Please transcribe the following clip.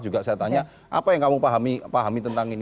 juga saya tanya apa yang kamu pahami tentang ini